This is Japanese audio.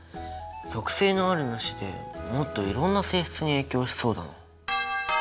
極性のあるなしでもっといろんな性質に影響しそうだ。